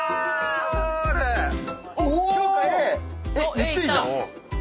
めっちゃいいじゃん！